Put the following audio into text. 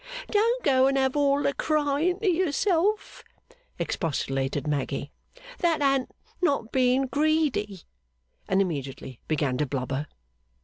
Don't go and have all the crying to yourself,' expostulated Maggy, 'that an't not being greedy.' And immediately began to blubber.